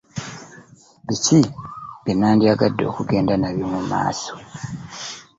Biki bye bandyagadde okugenda nabyo mu maaso?